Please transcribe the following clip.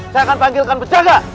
saya akan panggilkan penjaga